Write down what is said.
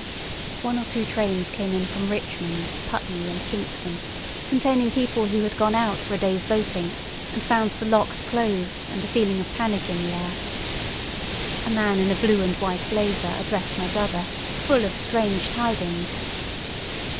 One or two trains came in from Richmond, Putney, and Kingston, containing people who had gone out for a day's boating and found the locks closed and a feeling of panic in the air. A man in a blue and white blazer addressed my brother, full of strange tidings.